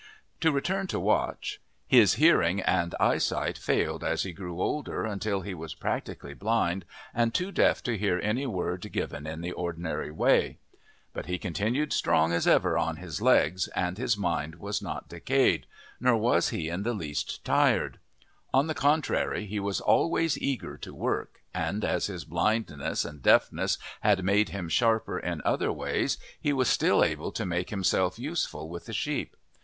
To return to Watch. His hearing and eyesight failed as he grew older until he was practically blind and too deaf to hear any word given in the ordinary way. But he continued strong as ever on his legs, and his mind was not decayed, nor was he in the least tired. On the contrary, he was always eager to work, and as his blindness and deafness had made him sharper in other ways he was still able to make himself useful with the sheep.